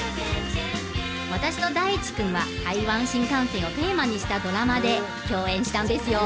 私と大智君は台湾新幹線をテーマにしたドラマで共演したんですよ